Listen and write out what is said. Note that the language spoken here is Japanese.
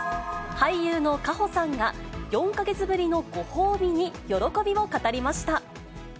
俳優の夏帆さんが、４か月ぶりのご褒美に喜びを語りました。